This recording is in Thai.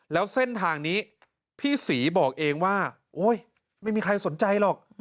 แล้วเส้นทางนี้พี่ศรีบอกเองว่าโอ๊ยไม่มีใครสนใจหรอก